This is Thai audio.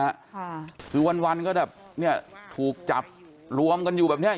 ค่ะคือวันวันก็แบบเนี้ยถูกจับรวมกันอยู่แบบเนี้ย